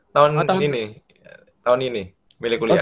tahun ini tahun ini milik kuliah